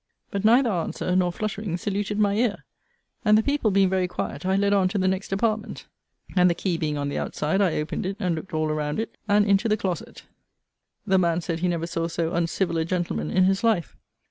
But neither answer nor fluttering saluted my ear; and, the people being very quiet, I led on to the next apartment; and, the key being on the outside, I opened it, and looked all around it, and into the closet. The man said he never saw so uncivil a gentleman in his life.